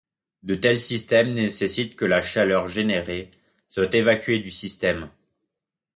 De tels systèmes nécessitent que la chaleur générée soit évacuée du système.